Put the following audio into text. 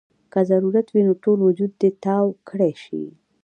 کۀ ضرورت وي نو ټول وجود دې تاو کړے شي -